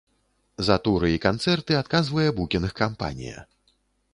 За туры і канцэрты адказвае букінг-кампанія.